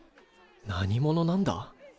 何者なんだ？